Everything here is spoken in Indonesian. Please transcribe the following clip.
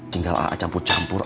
tinggal aak campur campur